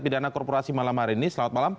pidana korporasi malam hari ini selamat malam